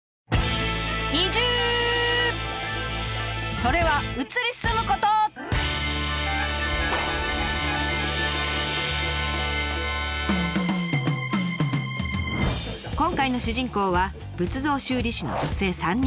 それは今回の主人公は仏像修理師の女性３人。